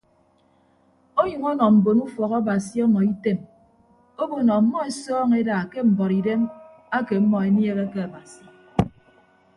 Ọnyʌñ ọnọ mbon ufọk abasi ọmọ item obo nọ ọmmọ esọọñọ eda ke mbuọtidem ake ọmmọ eniehe ke abasi.